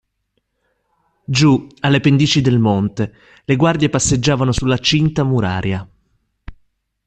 Giù, alle pendici del monte, le guardie passeggiavano sulla cinta muraria.